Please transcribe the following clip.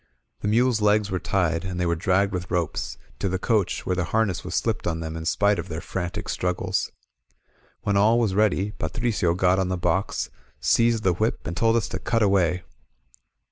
The mules' legs were tied, and they were dragged with ropes; to the coach, where the harness was slipped on them in spite of their frantic struggles. When all was ready, Patricio got on the box, seized the whip, and told us to cut away.